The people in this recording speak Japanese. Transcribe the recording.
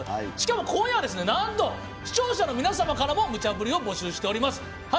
しかも今夜はなんと視聴者の皆様からもムチャぶりを募集しております。